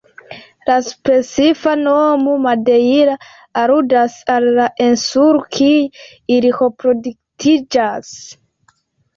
La specifa nomo "madeira" aludas al la insulo kie ili reproduktiĝas.